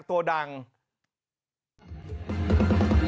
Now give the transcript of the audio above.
หวังค่ะ